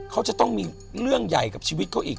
เขาจะต้องมีเรื่องใหญ่กับชีวิตเขาอีก